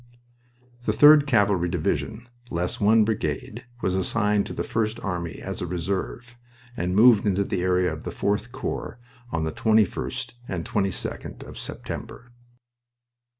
.. The 3d Cavalry Division, less one brigade, was assigned to the First Army as a reserve, and moved into the area of the 4th Corps on the 2lst and 22d of September.